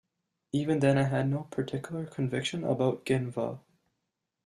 Even then I had no particular conviction about Geneva.